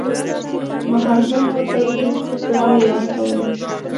محاذونو ته یې قواوې واستولې.